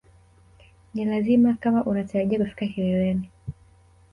Ni lazima kama unatarajia kufika kileleni